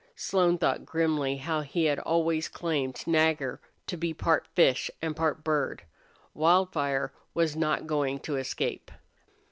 Slone thought grimly how he had always claimed Nagger to be part fish and part bird. Wildfire was not going to escape.